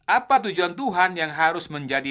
apa tujuan tuhan yang harus menjadi